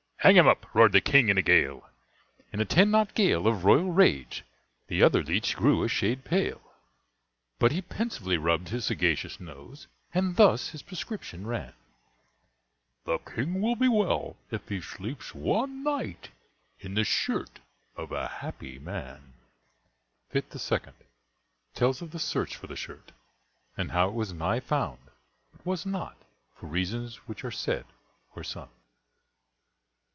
"Hang him up!" roared the King in a gale, In a ten knot gale of royal rage; The other leech grew a shade pale; But he pensively rubbed his sagacious nose, And thus his prescription ran, The King will be well, if he sleeps one night In the Shirt of a Happy Man. Fytte the Second: tells of the search for the Shirt, and how it was nigh found, but was not, for reasons which are said or sung.